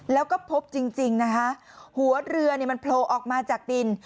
แล้วก็พบจริงนะคะหัวเรือเนี่ยมันโผล่ออกมาจากดิน